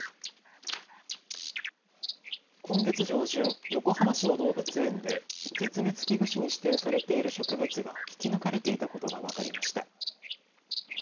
今月上旬、横浜市の動物園で絶滅危惧種に指定されている植物が引き抜かれていたことが分かりました。